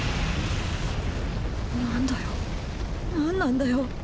何だよ何なんだよ。